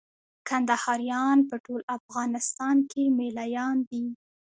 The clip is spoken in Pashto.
کندهاريان په ټول افغانستان کښي مېله يان دي.